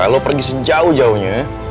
lu pergi sejauh jauhnya